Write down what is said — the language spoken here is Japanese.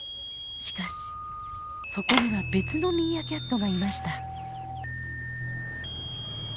しかしそこには別のミーアキャットがいました。